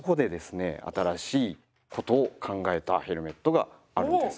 新しいことを考えたヘルメットがあるんです。